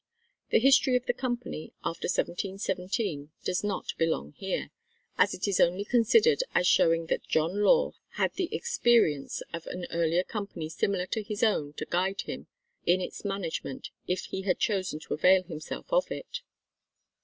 The history of the Company, after 1717 does not belong here, as it is only considered as showing that John Law had the experience of an earlier Company similar to his own to guide him in its management if he had chosen to avail himself of it.